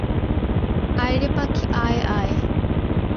আয় রে পাখি আয় আয়।